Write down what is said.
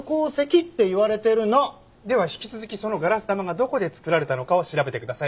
では引き続きそのガラス玉がどこで作られたのかを調べてください。